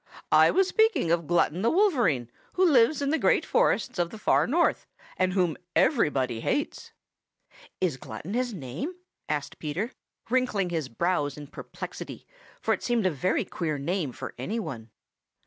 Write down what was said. "I was speaking of Glutton the Wolverine who lives in the Great Forests of the Far North, and whom everybody hates." "Is Glutton his name?" asked Peter, wrinkling his brows in perplexity, for it seemed a very queer name for any one.